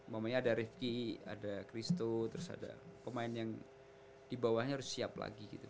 maksudnya ada rivki ada christo terus ada pemain yang dibawahnya harus siap lagi gitu